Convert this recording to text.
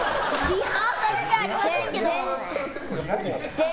リハーサルじゃありませんけど。